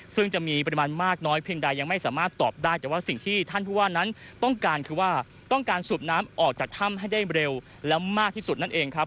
ซึ่งจะมีปริมาณมากน้อยเพียงใดยังไม่สามารถตอบได้แต่ว่าสิ่งที่ท่านผู้ว่านั้นต้องการคือว่าต้องการสูบน้ำออกจากถ้ำให้ได้เร็วและมากที่สุดนั่นเองครับ